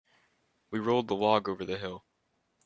We rolled the log over the hill.